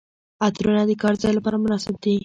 عطرونه د کار ځای لپاره مناسب دي.